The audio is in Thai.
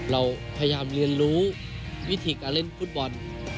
เราพยายามเรียนรู้วิธีการเล่นฟุตบอล